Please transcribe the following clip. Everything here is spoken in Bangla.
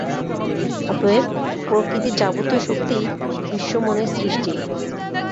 অতএব প্রকৃতির যাবতীয় শক্তিই বিশ্বমনের সৃষ্টি।